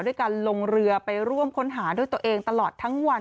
ด้วยการลงเรือไปร่วมค้นหาด้วยตัวเองตลอดทั้งวัน